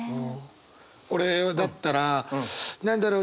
俺だったら何だろう？